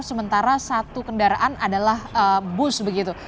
sementara satu kendaraan adalah bus begitu